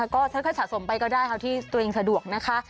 ก็ค่อยสะสมไปก็ได้ค่ะที่ตัวเองสะดวกนะคะ